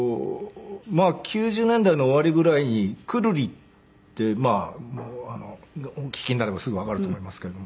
９０年代の終わりぐらいにくるりってお聴きになればすぐわかると思いますけれども。